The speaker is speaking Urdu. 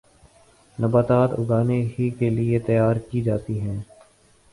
نباتات اگانے ہی کیلئے تیار کی جاتی ہیں